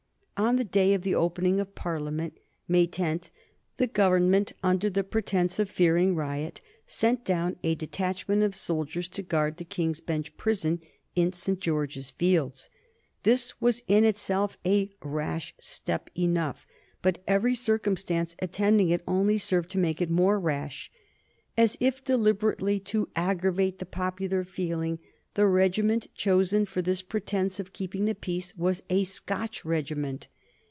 On the day of the opening of Parliament, May 10, the Government, under the pretence of fearing riot, sent down a detachment of soldiers to guard the King's Bench Prison, in St. George's Fields. This was in itself a rash step enough, but every circumstance attending it only served to make it more rash. As if deliberately to aggravate the popular feeling, the regiment chosen for this pretence of keeping the peace was a Scotch regiment.